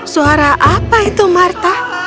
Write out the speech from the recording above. suara apa itu martha